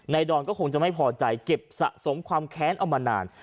ดอนก็คงจะไม่พอใจเก็บสะสมความแค้นเอามานาน